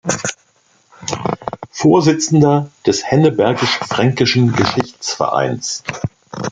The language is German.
Vorsitzender des Hennebergisch-Fränkischen Geschichtsvereins.